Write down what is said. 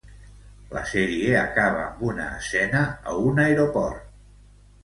La sèrie acaba amb una escena a un aeroport.